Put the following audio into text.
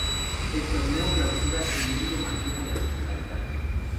En el Torneo Clausura, Emilio mantuvo la titularidad.